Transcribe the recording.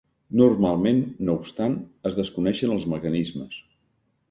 Normalment, no obstant, es desconeixen els mecanismes.